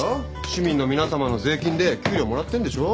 市民の皆さまの税金で給料もらってんでしょ？